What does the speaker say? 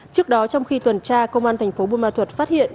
trước đó trong khi tuần tra công an thành phố buôn ma thuật phát hiện